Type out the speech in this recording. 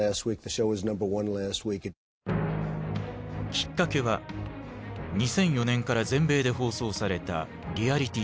きっかけは２００４年から全米で放送されたリアリティーショー。